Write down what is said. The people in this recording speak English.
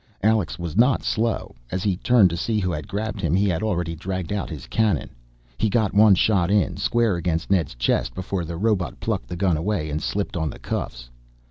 Alex was not slow. As he turned to see who had grabbed him, he had already dragged out this cannon. He got one shot in, square against Ned's chest, before the robot plucked the gun away and slipped on the cuffs.